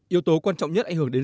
yếu tố quan trọng nhất ảnh hưởng đến